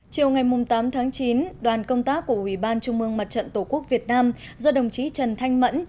chiều ngày tám tháng chín đoàn công tác của ubnd tổ quốc việt nam do đồng chí trần thanh mẫn